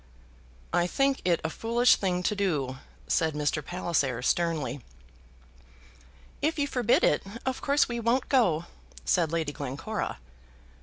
"I think it a foolish thing to do," said Mr. Palliser, sternly. "If you forbid it, of course we won't go," said Lady Glencora.